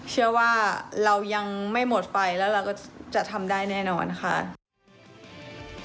เชื่อว่าเรายังไม่หมดไปแล้วเราก็จะทำได้แน่นอนค่ะ